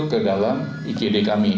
ke dalam ikd kami